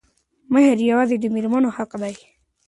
مهر يوازې د مېرمنې حق دی.